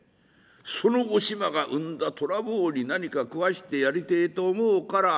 そのおしまが生んだ虎坊に何か食わしてやりてえと思うから。